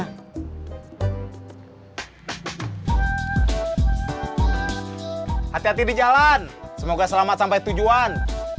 hati hati di jalan semoga selamat sampai tujuan